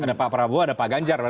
ada pak prabowo ada pak ganjar